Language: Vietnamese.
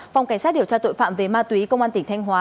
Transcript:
phòng cảnh sát điều tra tội phạm về ma túy công an tỉnh thanh hóa